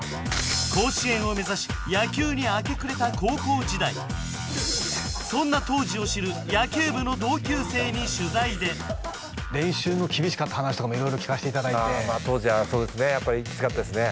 甲子園を目指し野球に明け暮れた高校時代そんな当時を知る野球部の同級生に取材で練習の厳しかった話とかも色々聞かせていただいてまあ当時はそうですねやっぱりきつかったですね